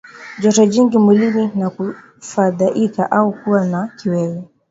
Joto jingi mwilini na kufadhaika au kuwa na kiwewe